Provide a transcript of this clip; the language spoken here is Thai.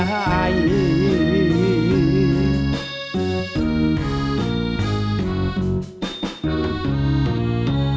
หยุดชุดความบุรุษ